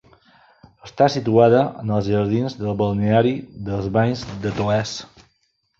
Està situada en els jardins del balneari dels Banys de Toès.